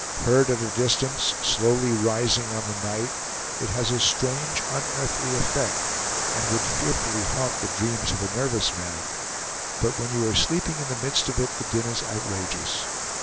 Heard at a distance, slowly rising on the night, it has a strange unearthly effect, and would fearfully haunt the dreams of a nervous man; but when you are sleeping in the midst of it the din is outrageous.